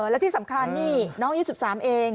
แล้วที่สำคัญนี่น้องยี่สิบสามเอง